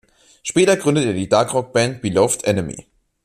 Später gründete er die Dark-Rock-Band Beloved Enemy.